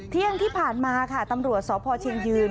เที่ยงที่ผ่านมาค่ะตำรวจสพเชียงยืน